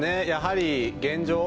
やはり現状